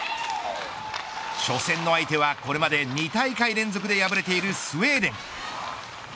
初戦の相手は、これまで２大会連続で敗れているスウェーデン。